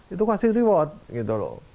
itu kasih reward